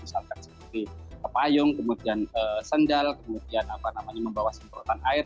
seperti payung kemudian sendal kemudian membawa semprotan air